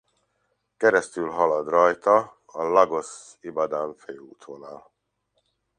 Keresztülhalad rajta a Lagos–Ibadan főútvonal.